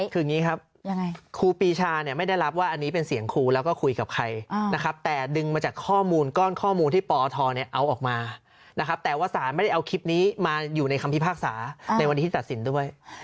คืออย่างนี้ครับครูปีชาเนี่ยไม่ได้รับว่าอันนี้เป็นเสียงครูแล้วก็คุยกับใครนะครับแต่ดึงมาจากข้อมูลก้อนข้อมูลที่ปอทเนี่ยเอาออกมานะครับแต่ว่าสารไม่ได้เอาคลิปนี้มาอยู่ในคำพิพากษาในวันที่ตัดสินด้วย